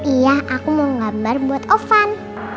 iya aku mau menggambar buat ovan